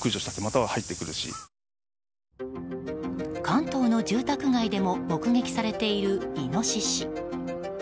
関東の住宅街でも目撃されているイノシシ。